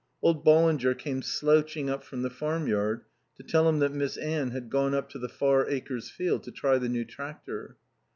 Old Ballinger came slouching up from the farmyard to tell him that Miss Anne had gone up to the Far Acres field to try the new tractor.